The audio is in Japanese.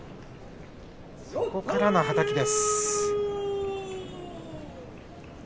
そこからの、はたきです。